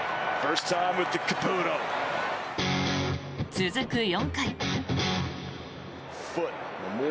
続く４回。